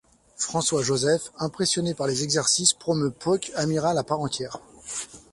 François-Joseph, impressionné par les exercices, promeut Pöck amiral à part entière.